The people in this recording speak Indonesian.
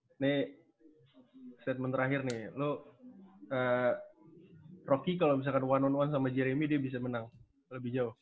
ini statement terakhir nih lu rocky kalau misalkan satu satu sama jeremy dia bisa menang lebih jauh